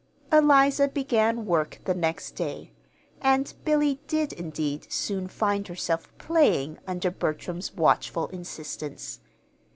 Eliza began work the next day, and Billy did indeed soon find herself "playing" under Bertram's watchful insistence.